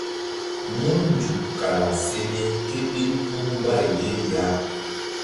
Mun nzuk kara se ni ké ɓil puh mbay ye ya.